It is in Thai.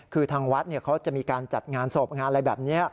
คือทางวัดเขาจะมีการจัดงานศพงานอะไรแบบนี้